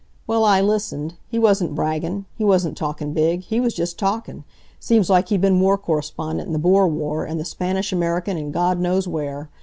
Well, I listened. He wasn't braggin'. He wasn't talkin' big. He was just talkin'. Seems like he'd been war correspondent in the Boer war, and the Spanish American, an' Gawd knows where.